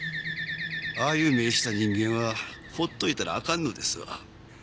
ああいう目ぇした人間はほっといたらあかんのですわ。